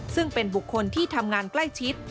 ซึ่งเป็นบุคคลที่ทำงานใกล้ชิด